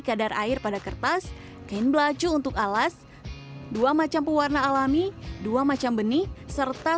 kadar air pada kertas kain belacu untuk alas dua macam pewarna alami dua macam benih serta